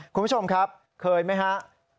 คุณผู้ชมครับเคยไหมฮะ